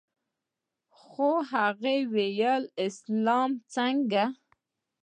خو هغه وويل اسلام څنگه.